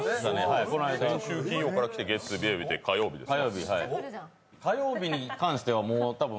先週金曜日から来て、月出て火曜ですか。